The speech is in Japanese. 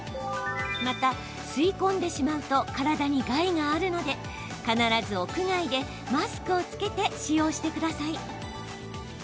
また、吸い込んでしまうと体に害があるので必ず、屋外でマスクを着けて使用してください。